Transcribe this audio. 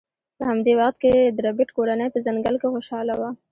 په همدې وخت کې د ربیټ کورنۍ په ځنګل کې خوشحاله وه